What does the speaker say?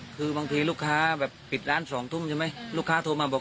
คือบางทีลูกค้าแบบปิดร้าน๒ทุ่มใช่ไหมลูกค้าโทรมาบอก